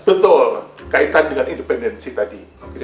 betul kaitan dengan independensi tadi